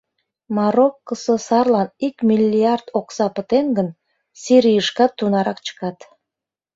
Мароккысо сарлан ик миллиард окса пытен гын, Сирийышкат тунарак чыкат.